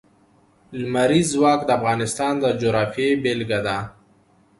لمریز ځواک د افغانستان د جغرافیې بېلګه ده.